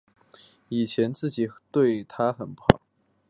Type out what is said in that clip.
以前自己对她很不好